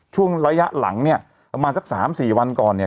ช่วงระยะหลังเนี่ยประมาณสักสามสี่วันก่อนเนี่ย